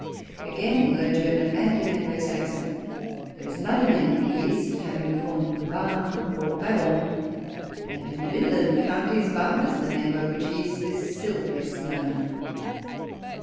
Again, in Low German and in Anglo Saxon there is another name for yeast, having the form "barm," or "beorm"; and, in the Midland Counties, "barm" is the name by which yeast is still best known.